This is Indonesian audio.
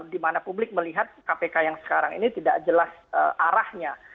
dimana publik melihat kpk yang sekarang ini tidak jelas arahnya